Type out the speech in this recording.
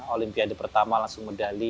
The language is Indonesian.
olimpiade pertama langsung medali